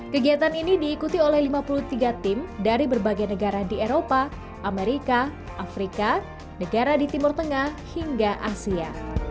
kegiatan ini diikuti oleh lima puluh tiga tim dari berbagai negara di eropa amerika afrika negara di timur tengah hingga asia